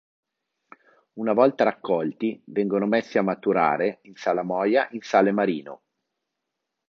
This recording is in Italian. Una volta raccolti vengono messi a maturare in salamoia in sale marino.